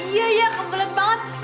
iya iya kebelet banget